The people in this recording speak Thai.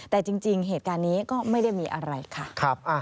แต่จริงเหตุการณ์นี้ก็ไม่ได้มีอะไรค่ะ